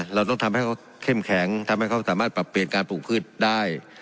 เราต้องทำให้เขาเข้มแข็งทำให้เขาสามารถปรับเปลี่ยนการปลูกพืชได้